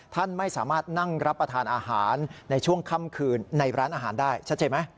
ท่านไม่สามารถนั่งรับประทานอาหารในช่วงค่ำคืนในร้านอาหารได้ชัดเจนไหม